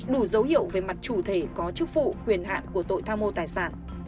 đủ dấu hiệu về mặt chủ thể có chức vụ quyền hạn của tội tham mô tài sản